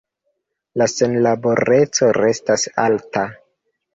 La senlaboreco restas alta.